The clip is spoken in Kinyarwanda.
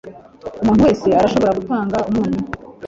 Umuntu wese arashobora gutanga umunyu